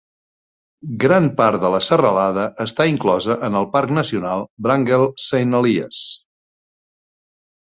Gran part de la serralada està inclosa en el Parc Nacional Wrangell-Saint Elias.